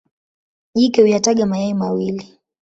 Jike huyataga mayai mawili.